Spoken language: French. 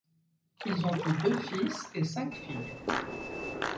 Ils ont eu deux fils et cinq filles.